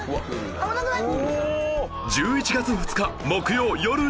危なくない？